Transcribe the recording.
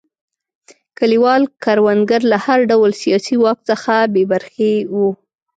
کلیوال کروندګر له هر ډول سیاسي واک څخه بې برخې وو.